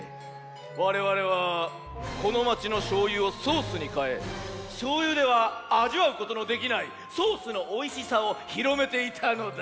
われわれはこのまちのしょうゆをソースにかえしょうゆではあじわうことのできないソースのおいしさをひろめていたのだ。